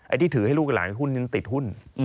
ที่ถือให้ลูกกับหลานหุ้นยังติดหุ้น